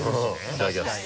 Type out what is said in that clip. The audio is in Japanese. いただきます。